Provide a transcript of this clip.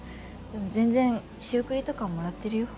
でも全然仕送りとかはもらってるよ？